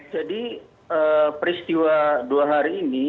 jadi peristiwa dua hari ini